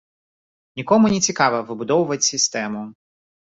Нікому не цікава выбудоўваць сістэму.